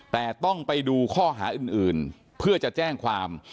แต่ต้องไปดูข้อหาอื่นเพื่อจะแจ้งความ